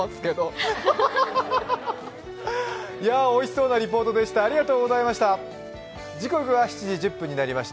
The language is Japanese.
おいしそうなリポートでした。